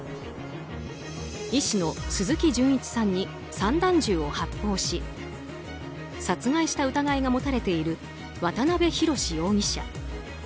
医師の鈴木純一さんに散弾銃を発砲し殺害した疑いが持たれている渡辺宏容疑者。